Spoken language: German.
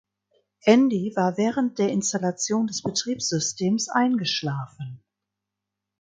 Andy war während der installation des Betriebsystems eingeschlafen.